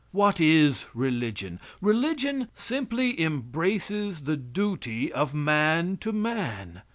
What is religion? Religion simply embraces the duty of man to man.